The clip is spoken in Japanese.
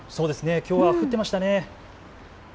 きょうは降っていましたね。